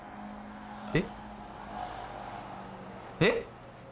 えっ？えっ！？